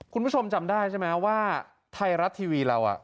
คุณผู้ชมจำได้ใช่ไหมว่าไทยรัฐทีวีเรา